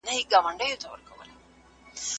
پي پي پي اخته مېرمنې باید د متخصص ډاکټر لاندې وي.